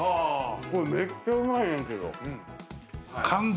これめっちゃうまいねんけど。